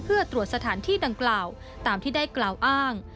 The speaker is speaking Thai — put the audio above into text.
เพื่อตรวจสถานที่ดังกล่าวตามที่ได้กล่าวอ้าง